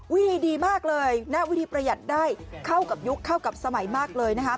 ดีมากเลยณวิธีประหยัดได้เข้ากับยุคเข้ากับสมัยมากเลยนะคะ